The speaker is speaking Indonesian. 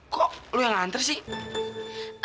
kok lo yang nganter sih